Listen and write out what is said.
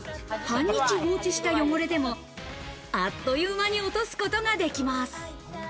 半日放置した汚れでも、あっという間に落とすことができます。